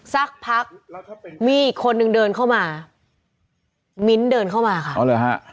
สักพักมีอีกคนนึงเดินเข้ามามิ้นเดินเข้ามาค่ะ